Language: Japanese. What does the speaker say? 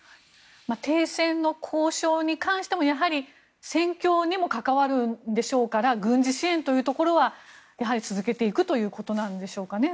停戦の交渉に関しても戦況にも関わるでしょうから軍事支援というところは続けていくということなんでしょうかね。